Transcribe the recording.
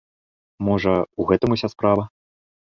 Можа, у гэтым уся справа?